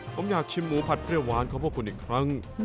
ผมอยากชิมหมูผัดเปรี้ยวหวานของพวกคุณอีกครั้ง